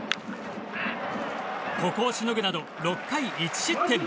ここをしのいで、６回１失点。